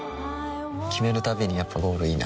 決めるたびにやっぱゴールいいなってふん